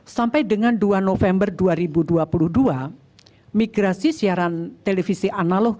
sampai dengan dua november dua ribu dua puluh dua migrasi siaran televisi analog